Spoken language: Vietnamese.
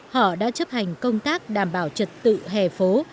họ đã chấp hành công tác đảm bảo trật tự hè phố